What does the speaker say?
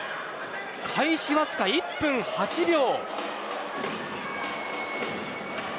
開始わずか１分８秒。